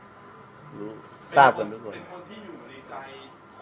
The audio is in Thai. เป็นคนที่อยู่ในใจของชื่อทุกวันนี้ถูกต้องไหมครับคนนั้นใช่ไหมครับ